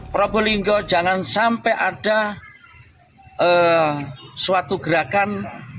probolinggo jangan sampai ada suatu gerakan